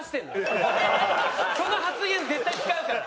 その発言絶対使うから。